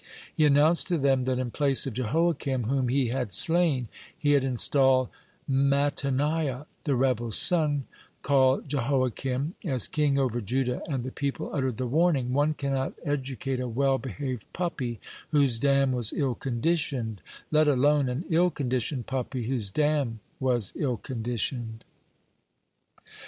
He announced to them that in place of Jehoiakim, whom he had slain, he had installed Mattaniah, the rebel's son, called Jehoiachin, as king over Judah, and the people uttered the warning: "One cannot educate a well behaved puppy whose dam was ill conditioned; let alone an ill conditioned puppy whose dam was ill conditioned."